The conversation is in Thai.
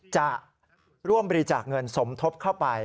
จะร่วมบริจาคเงินสมทบเข้าไป